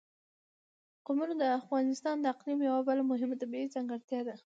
قومونه د افغانستان د اقلیم یوه بله مهمه طبیعي ځانګړتیا ده.